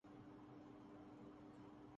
استدعا یہ نہیں کہ نیا پاکستان بنائیں۔